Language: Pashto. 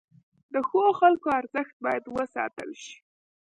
د ښو خلکو ارزښت باید وساتل شي.